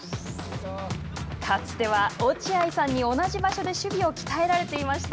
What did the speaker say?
かつては落合さんに、同じ場所で守備を鍛えられていました。